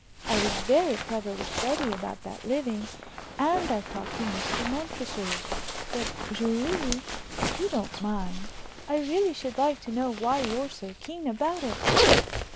I was very clever with Freddie about that living; and I've talked to Mr. Montresor. But, Julie, if you don't mind, I really should like to know why you're so keen about it?"